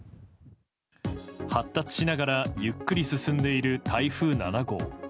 発達しながらゆっくり進んでいる台風７号。